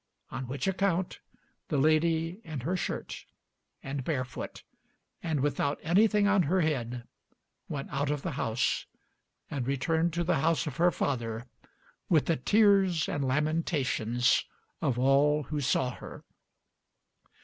On which account the lady in her shirt, and barefoot, and without anything on her head, went out of the house and returned to the house of her father with the tears and lamentations of all who saw her.